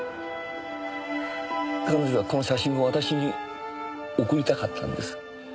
彼女はこの写真を私に贈りたかったんです。